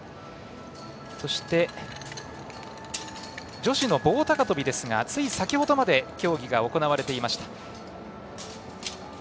そして、女子の棒高跳びですがつい先ほどまで競技が行われていました。